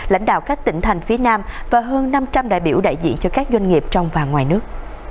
lãnh đạo các tỉnh thành phía nam và hơn năm trăm linh đại biểu đại diện cho các doanh nghiệp trong và ngoài nước